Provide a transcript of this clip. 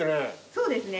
そうですね。